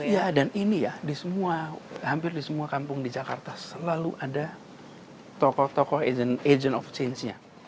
iya dan ini ya di semua hampir di semua kampung di jakarta selalu ada tokoh tokoh agent of change nya